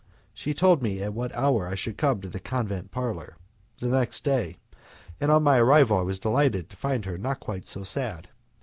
She told me at what hour I should come to the convent parlour, the next day, and on my arrival I was delighted to find her not quite so sad.